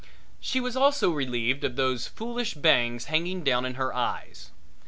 She was also relieved of those foolish bangs hanging down in her eyes.